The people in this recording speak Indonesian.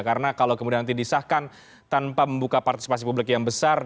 karena kalau kemudian nanti disahkan tanpa membuka partisipasi publik yang besar